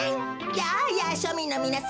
やあやあしょみんのみなさん。